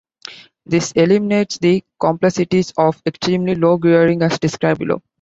This eliminates the complexities of extremely low gearing, as described below.